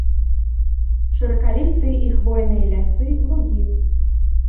Шыракалістыя і хвойныя лясы, лугі.